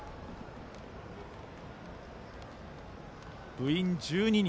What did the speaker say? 部員１２人。